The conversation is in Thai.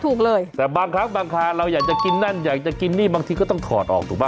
ถูกเลยแต่บางครั้งบางคราเราอยากจะกินนั่นอยากจะกินนี่บางทีก็ต้องถอดออกถูกป